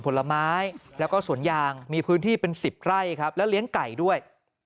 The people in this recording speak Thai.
ผลไม้แล้วก็สวนยางมีพื้นที่เป็น๑๐ไร่ครับแล้วเลี้ยงไก่ด้วย